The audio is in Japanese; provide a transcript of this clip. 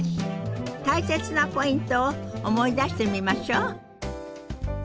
大切なポイントを思い出してみましょう。